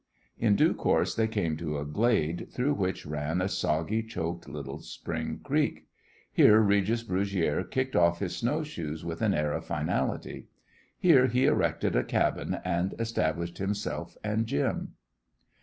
In due course they came to a glade through which ran a soggy, choked, little spring creek. Here Regis Brugiere kicked off his snow shoes with an air of finality. Here he erected a cabin, and established himself and Jim.